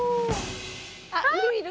あっいるいる。